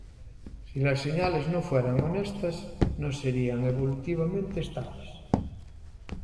Si las señales no fueran honestas, no serían evolutivamente estables.